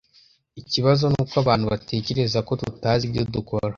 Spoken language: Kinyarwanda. Ikibazo nuko abantu batekereza ko tutazi ibyo dukora.